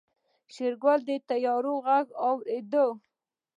شېرګل د طيارې غږ واورېد.